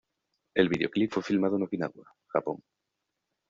El videoclip fue filmado en Okinawa, Japón.